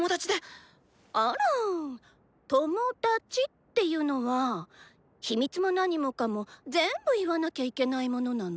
あらぁ「トモダチ」っていうのは秘密も何もかも全部言わなきゃいけないものなの？